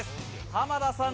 濱田さん